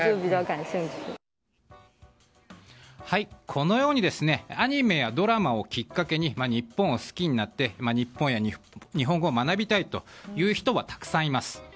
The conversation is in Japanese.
このようにアニメやドラマをきっかけに日本を好きになって日本語を学びたいという人はたくさんいます。